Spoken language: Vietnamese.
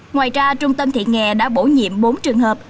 ngoài ra trung tâm thị nghề đã bổ nhiệm bốn trường hợp